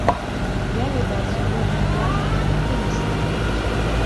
Я, відаць, у гэтым плане атэіст.